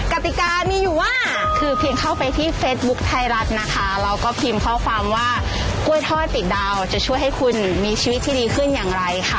กติกามีอยู่ว่าคือเพียงเข้าไปที่เฟซบุ๊คไทยรัฐนะคะเราก็พิมพ์ข้อความว่ากล้วยทอดติดดาวจะช่วยให้คุณมีชีวิตที่ดีขึ้นอย่างไรค่ะ